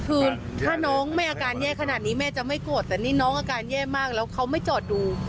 คือถ้าน้องไม่อาการแย่ขนาดนี้แม่จะไม่โกรธแต่นี่น้องอาการแย่มากแล้วเขาไม่จอดดู